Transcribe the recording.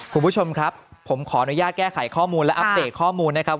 คุณผู้ชมครับผมขออนุญาตแก้ไขข้อมูลและอัปเดตข้อมูลนะครับ